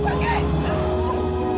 semoga kamu yang putri